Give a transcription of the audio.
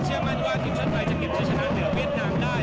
เชื่อมั่นที่ว่าทีมชั้นไทยจะเก็บชั้นชนะเหนือเวียดนามได้